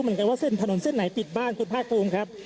เหมือนกันว่าเส้นถนนเส้นไหนปิดบ้านคุณภาคภูมิครับ